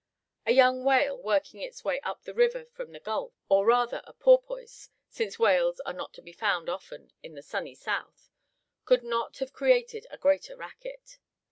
A young whale working its way up the river from the gulf, or rather a porpoise, since whales are not to be found often in the Sunny South, could not have created a greater racket.